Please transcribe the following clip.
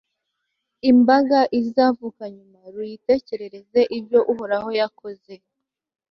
imbaga izavuka nyuma ruyitekerereze ibyo uhoraho yakoze